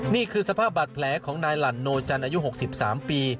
นี่คือสภาพบาดแผลของนายหลั่นโนจันทร์อายุ๖๓ปี